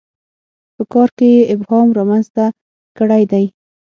په کار کې یې ابهام رامنځته کړی دی.